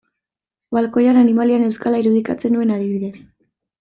Balkoian animaliak neuzkala irudikatzen nuen adibidez.